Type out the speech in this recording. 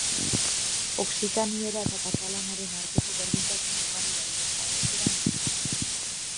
Okzitaniera eta katalanaren arteko berdintasun ugari daude, ahoskeran eta idazkeran.